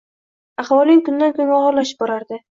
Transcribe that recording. Ahvoling kundan kunga og’irlashib borardi.